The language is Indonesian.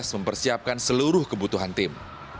dan juga mempersiapkan seluruh kebutuhan tim